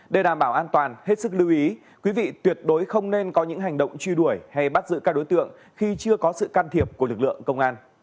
để đảm bảo an toàn hết sức lưu ý quý vị tuyệt đối không nên có những hành động truy đuổi hay bắt giữ các đối tượng khi chưa có sự can thiệp của lực lượng công an